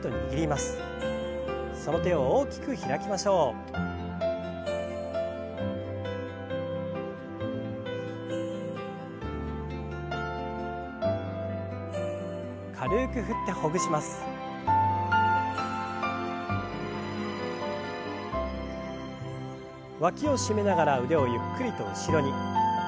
わきを締めながら腕をゆっくりと後ろに。